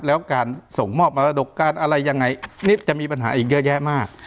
แล้วการส่งมอบอัตโดกการณ์อย่างไรก็จะมีปัญหาอีกเยอะแยะมาก